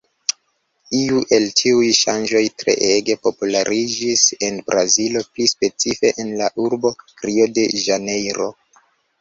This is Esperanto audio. Iu el tiuj ŝanĝoj treege populariĝis en Brazilo, pli specife, en la urbo Rio-de-Ĵanejro.